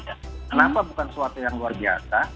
kenapa bukan suatu yang lebih baik